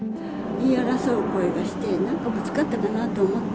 言い争う声がして、何かぶつかったかなと思って。